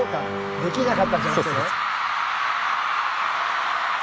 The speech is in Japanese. できなかったんじゃなくてね。